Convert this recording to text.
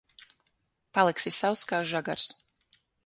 Paliksi sauss kā žagars.